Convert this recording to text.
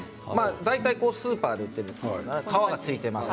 大体スーパーで売っていますと皮が付いています。